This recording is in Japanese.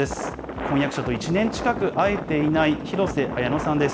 婚約者と１年近く会えていない廣瀬彩乃さんです。